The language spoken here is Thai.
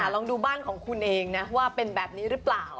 ลองดูบ้านของคุณเองนะว่าเป็นแบบนี้หรือเปล่า